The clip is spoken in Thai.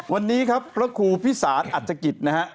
วันนี้ครับพระครูพิสารอัฐกิจนะฮะ